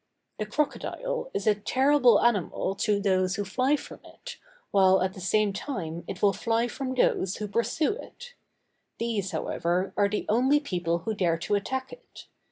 The crocodile is a terrible animal to those who fly from it, while at the same time it will fly from those who pursue it; these, however, are the only people who dare to attack it.